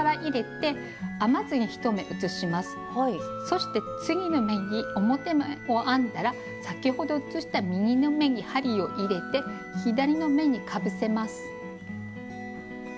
そして次の目に表目を編んだら先ほど移した右の目に針を入れて左の目にかぶせます。